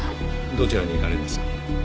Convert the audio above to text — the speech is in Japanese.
どちらに行かれました？